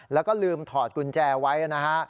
แล้วก็ลืมถอดกุญแจไว้นะฮะ